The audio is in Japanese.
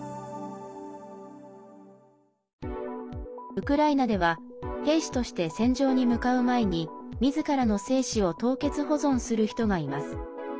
ウクライナでは兵士として戦場に向かう前にみずからの精子を凍結保存する人がいます。